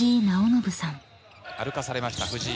歩かされました藤井。